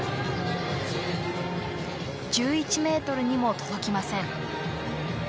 １１ｍにも届きません。